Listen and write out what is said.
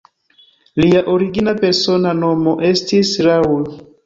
Lia origina persona nomo estis "Raoul".